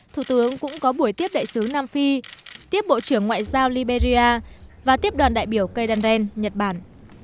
thủ tướng cũng có buổi tiếp đại sứ nam phi tiếp bộ trưởng ngoại giao liberia và tiếp đoàn đại biểu cây đan rèn nhật bản